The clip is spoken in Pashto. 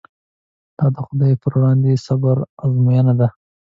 دا د خدای پر وړاندې د صبر ازموینه ده.